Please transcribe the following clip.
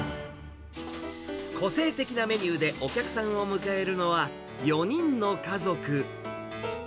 個性的なメニューでお客さんを迎えるのは、４人の家族。